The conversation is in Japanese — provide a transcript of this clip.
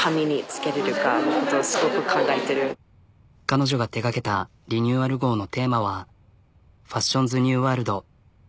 彼女が手がけたリニューアル号のテーマはファッションズ・ニューワールド。